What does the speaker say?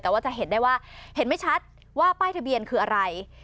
แต่ว่าจะเห็นได้ว่าเห็นไม่ชัดว่าป้ายทะเบียนคืออะไร